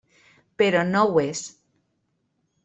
Però no ho és.